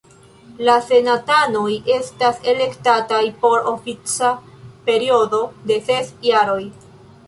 La senatanoj estas elektataj por ofica periodo de ses jaroj.